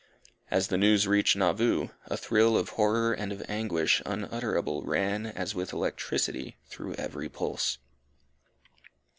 As the news reached Nauvoo, a thrill of horror and of anguish unutterable ran, as with electricity, through every pulse.